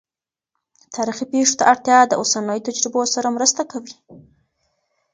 تاریخي پېښو ته اړتیا د اوسنیو تجربو سره مرسته کوي.